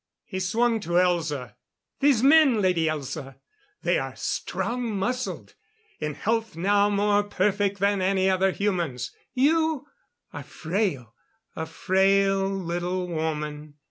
He swung to Elza. "These men, Lady Elza they are strong muscled. In health now more perfect than any other humans. You are frail a frail little woman.